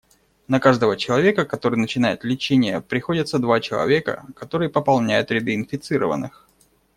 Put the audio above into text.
На каждого человека, который начинает лечение, приходятся два человека, которые пополняют ряды инфицированных.